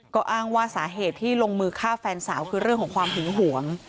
ก็อ้างว่าสาเหตุที่ลงมือฆ่าแฟนสาวคือเรื่องของความหึงหวง